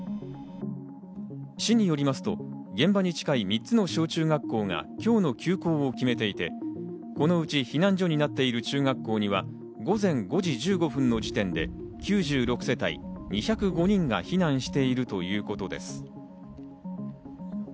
市によりますと、現場に近い３つの小中学校か今日の休校を決めていて、このうち避難所になっている中学校には午前５時１５分の時点で９６世帯２０５人が避難しているということです。